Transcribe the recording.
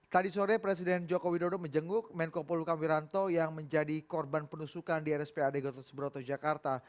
tadi sore presiden joko widodo menjenguk menko polhukam wiranto yang menjadi korban penusukan di rspad gatot subroto jakarta